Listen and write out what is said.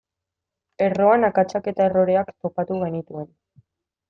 Erroan akatsak eta erroreak topatu genituen.